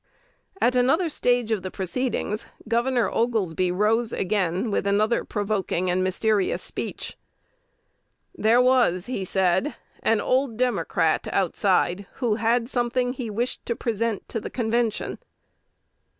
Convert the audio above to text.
At another stage of the proceedings, Gov. Oglesby rose again with another provoking and mysterious speech. "There was," he said, "an old Democrat outside who had something he wished to present to this Convention."